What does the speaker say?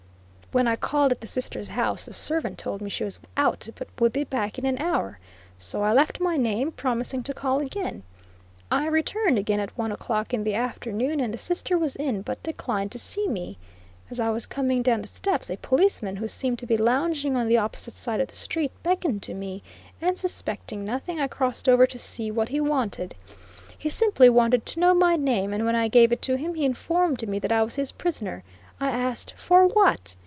When I called at the sister's house, the servant told me she was out, but would be back in an hour; so I left my name, promising to call again. I returned again at one o'clock in the afternoon, and the sister was in, but declined to see me. As I was coming down the steps, a policeman who seemed to be lounging on the opposite side of the street, beckoned to me, and suspecting nothing, I crossed over to see what he wanted. He simply wanted to know my name, and when I gave it to him he informed me that I was his prisoner. I asked for what?